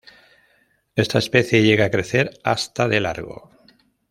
Esta especie llega a crecer hasta de largo.